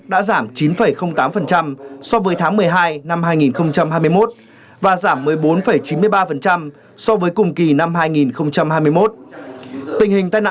đã giảm chín tám so với tháng một mươi hai năm hai nghìn hai mươi một và giảm một mươi bốn chín mươi ba so với cùng kỳ năm hai nghìn hai mươi một tình hình tai nạn